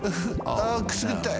あくすぐったい！